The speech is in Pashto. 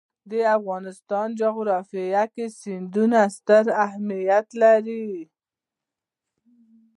د افغانستان جغرافیه کې سیندونه ستر اهمیت لري.